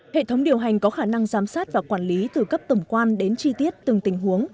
hệ thống điều hành có khả năng giám sát và quản lý từ cấp tổng quan đến chi tiết từng tình huống